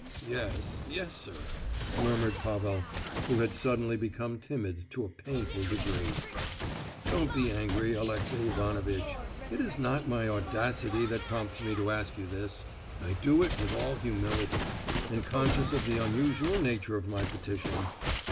"Yes—yes, sir!" murmured Pavel, who had suddenly become timid to a painful degree. "Don't be angry, Alexey Ivanovitch, it is not my audacity that prompts me to ask you this; I do it with all humility, and conscious of the unusual nature of my petition.